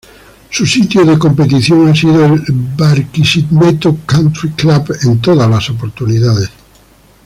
Su sitio de competición ha sido el Barquisimeto Country Club en todas las oportunidades.